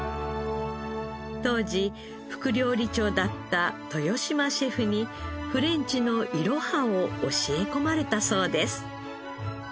当時副料理長だった豊嶋シェフにフレンチのいろはを教え込まれたそうです。